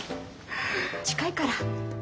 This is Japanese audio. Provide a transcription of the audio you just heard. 近いから。